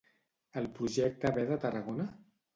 El projecte ve de Tarragona?